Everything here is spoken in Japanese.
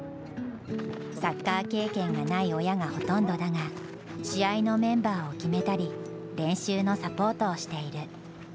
サッカー経験がない親がほとんどだが試合のメンバーを決めたり練習のサポートをしている。